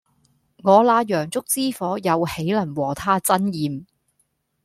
我那洋燭之火又豈能和他爭艷